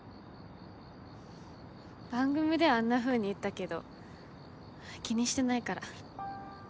番組ではあんなふうに言ったけど気にしてないから。